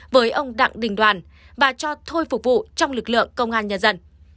với ông đặng đình đoàn và cho thôi phục vụ trong lực lượng công an nhân dân